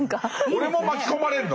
俺も巻き込まれるの？